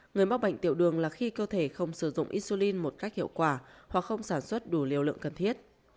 người mắc bệnh tiểu đường là khi cơ thể không sử dụng isulin một cách hiệu quả hoặc không sản xuất đủ liều lượng cần thiết